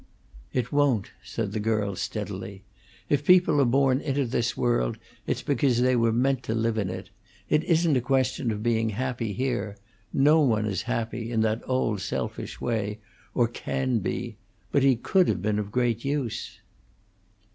"It won't," said the girl, steadily. "If people are born into this world, it's because they were meant to live in it. It isn't a question of being happy here; no one is happy, in that old, selfish way, or can be; but he could have been of great use."